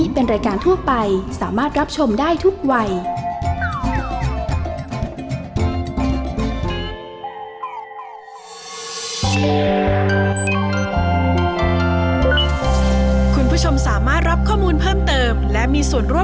เบกกี้ก็โหลดแล้ว